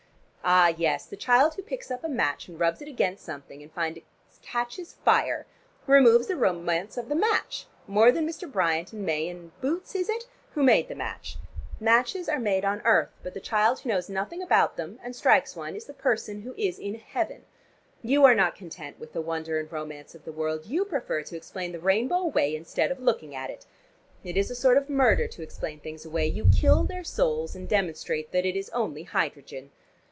Ah, yes: the child who picks up a match and rubs it against something and finds it catches fire removes the romance of the match, more than Mr. Bryant and May and Boots is it? who made the match. Matches are made on earth, but the child who knows nothing about them and strikes one is the person who is in heaven. You are not content with the wonder and romance of the world, you prefer to explain the rainbow away instead of looking at it. It is a sort of murder to explain things away: you kill their souls, and demonstrate that it is only hydrogen."